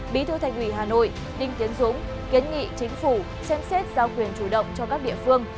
bí thư thành ủy hà nội đinh tiến dũng kiến nghị chính phủ xem xét giao quyền chủ động cho các địa phương